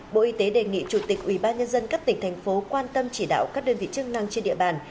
bộ y tế đề nghị chủ tịch ủy ban nhân dân các tỉnh thành phố quan tâm chỉ đạo các đơn vị chức năng trên địa bàn